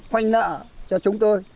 khoanh nợ cho chúng tôi